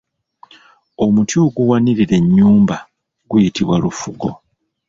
Omuti oguwanirira ennyumba guyitibwa Lufugo.